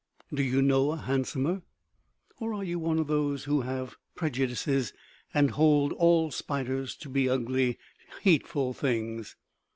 Do you know a handsomer? Or are you of those who have prejudices, and hold all spiders to be ugly, hateful things?